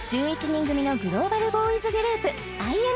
１１人組のグローバルボーイズグループ